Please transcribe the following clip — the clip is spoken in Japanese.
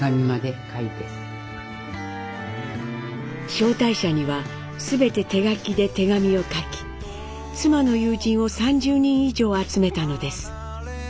招待者には全て手書きで手紙を書き妻の友人を３０人以上集めたのです。